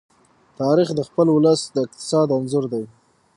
تاریخ د خپل ولس د اقتصاد انځور دی.